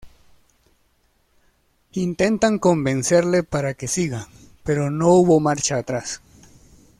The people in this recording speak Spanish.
Intentan convencerle para que siga, pero no hubo marcha atrás.